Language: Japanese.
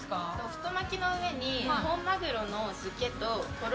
太巻きの上に。